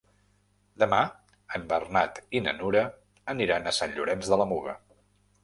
Demà en Bernat i na Nura aniran a Sant Llorenç de la Muga.